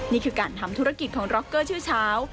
นี่คือการทำธุรกิจของร็อกเกอร์ชื่อเช้า